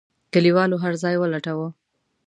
کليوالو هرځای ولټاوه.